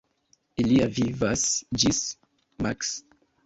Ilia vivas ĝis maks.